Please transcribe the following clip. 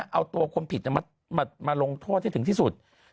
เอาตัวพวกหญิงผิดมาลงโทษในจะถึงที่สุด